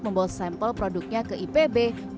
membuat sampel produknya ke ipb dan pembawa produknya ke bkrt